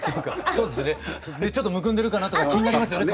ちょっとむくんでるかなとか気になりますよね。